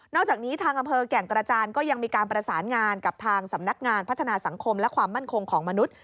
อกจากนี้ทางอำเภอแก่งกระจานก็ยังมีการประสานงานกับทางสำนักงานพัฒนาสังคมและความมั่นคงของมนุษย